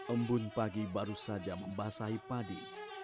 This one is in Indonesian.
embun pagi baru saja membasahi padi